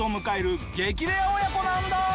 レア親子なんだ！